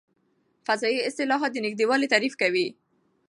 فضايي اصطلاحات د نږدې والي تعریف ورکوي.